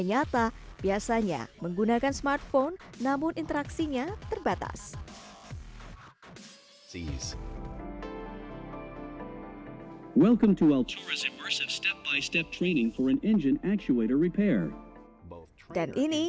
nyata biasanya menggunakan smartphone namun interaksinya terbatas dan ini